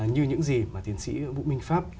như những gì mà tiến sĩ bụng minh pháp